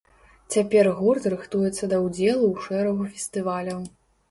Цяпер гурт рыхтуецца да ўдзелу ў шэрагу фестываляў.